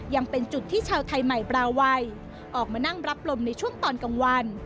ยังเป็นจุดที่ชาวไทยใหม่บราวัยออกมานั่งรับลมในช่วงตอนกลางวัน